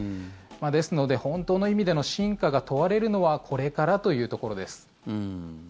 ですので、本当の意味での真価が問われるのはこれからというところです。